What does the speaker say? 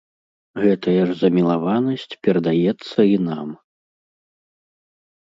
Гэтая ж замілаванасць перадаецца і нам.